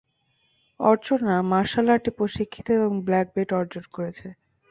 অর্চনা martial আর্টে প্রশিক্ষিত এবং ব্লাক বেল্ট অর্জন করেছেন।